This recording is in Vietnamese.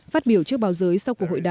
phát biểu trước báo giới sau cuộc hội